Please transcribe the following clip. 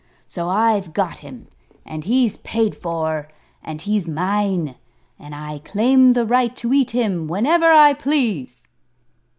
So I've got him, and he's paid for, and he's mine, and I claim the right to eat him whenever I please."